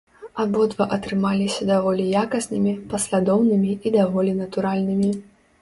Абодва атрымаліся даволі якаснымі, паслядоўнымі і даволі натуральнымі.